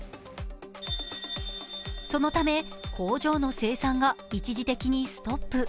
そのため工場の生産が一時的にストップ。